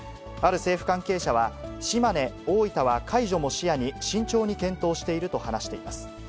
ある政府関係者は島根、大分は解除も視野に、慎重に検討していると話しています。